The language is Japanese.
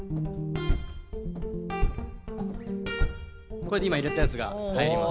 これで今入れたやつが入ります。